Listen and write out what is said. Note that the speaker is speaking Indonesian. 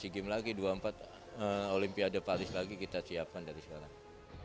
dua ribu dua puluh tiga sea games lagi dua ribu dua puluh empat olimpiade paris lagi kita siapkan dari sekarang